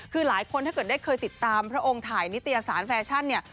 คือหลายคนถ้าเกิดได้เคยติดตามพระองค์ถ่ายนิตยสารแฟชั่นเนี่ย